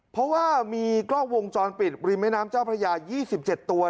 เพราะว่ามีกล้องวงจรปิดริมแม่น้ำเจ้าพระยา๒๗ตัว